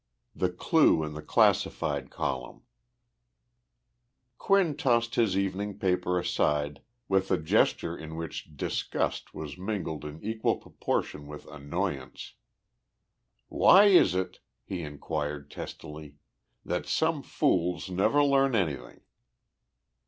XIX THE CLUE IN THE CLASSIFIED COLUMN Quinn tossed his evening paper aside with a gesture in which disgust was mingled in equal proportion with annoyance. "Why is it," he inquired, testily, "that some fools never learn anything?"